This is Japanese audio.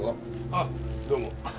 あっどうも。